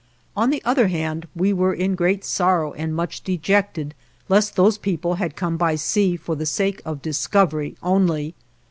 On the other hand, we were in great sorrow and much dejected, lest those people had come by sea for the sake of discovery only.